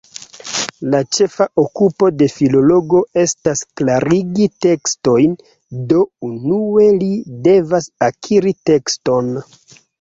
La ĉefa okupo de filologo estas klarigi tekstojn, do, unue, li devas akiri tekston.